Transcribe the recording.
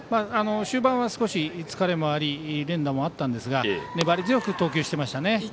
終盤は少し疲れもあり連打もあったんですが粘り強く投球してましたね。